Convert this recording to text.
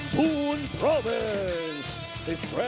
มีความรู้สึกว่า